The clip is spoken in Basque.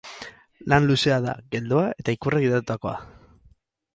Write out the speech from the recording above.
Lan luzea da, geldoa eta ikurrek gidatutakoa.